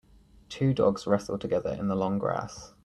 Two dogs wrestle together in the long grass.